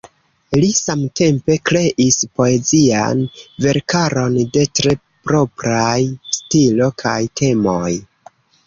Li samtempe kreis poezian verkaron de tre propraj stilo kaj temoj.